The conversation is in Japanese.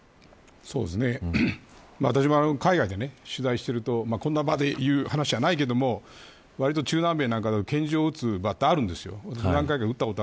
私も海外で取材をしているとこんな場で言う話じゃないけど中南米なんかだと拳銃を撃つ場があるんです。